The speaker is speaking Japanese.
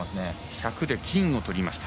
１００で金をとりました。